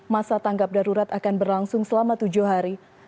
masa tanggap darurat akan berlangsung selama tujuh hari